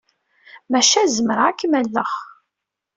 Maca zemreɣ ad kem-alleɣ.